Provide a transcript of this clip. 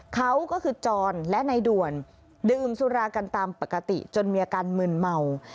เขาก็คือจรและในด่วนดื่มสุรากันตามปกติจนมีอาการมืนเมา